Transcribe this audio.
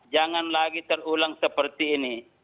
jangan lagi terulang seperti ini